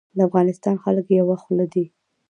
د افغانستان خلک یوه خوله دي